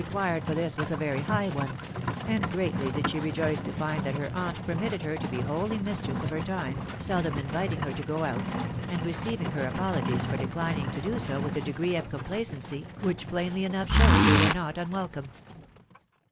quired for this was a very high one ; and greatly did *x rejoice to find that her aunt permitted her to be wholly mistm of her time, seldom inviting her to go out, and receiving hs apologies for declining to do so with a degree of complacency which plainly enough showed they were not unwelcome.